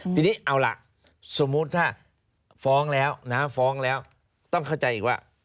ทีนี้เอาล่ะสมมุติถ้าฟ้องแล้วต้องเข้าใจอีกว่า